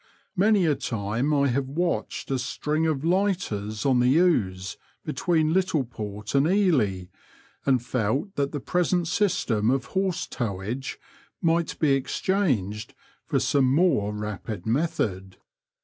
Many a time I have watched a string of lighters on the Ouse between Littleport and Ely, and felt that the present system of horse towage might be exchanged for some more rapid method.